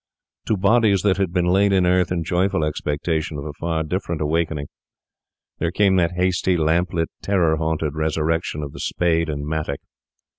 To bodies that had been laid in earth, in joyful expectation of a far different awakening, there came that hasty, lamp lit, terror haunted resurrection of the spade and mattock.